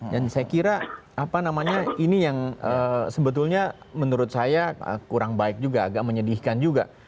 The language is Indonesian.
saya kira apa namanya ini yang sebetulnya menurut saya kurang baik juga agak menyedihkan juga